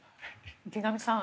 池上さん